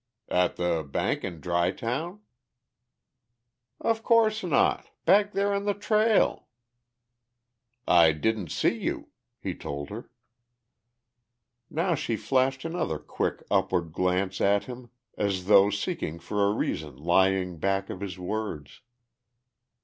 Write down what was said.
"At the bank in Dry Town?" "Of course not. Back there on the trail." "I didn't see you," he told her. Now she flashed another quick upward glance at him as though seeking for a reason lying back of his words.